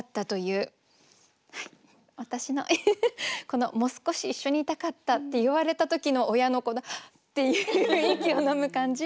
この「も少し一緒に居たかった」って言われた時の親のこのハッ！っていう息をのむ感じ。